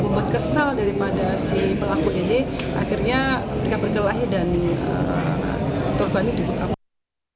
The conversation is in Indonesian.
pembangunan dari ca ini adalah memang yang bersangkutan pelaku utama dalam pembunuhan anggota polisi